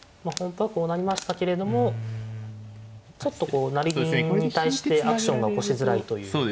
まあ本譜はこうなりましたけれどもちょっとこう成銀に対してアクションが起こしづらいという。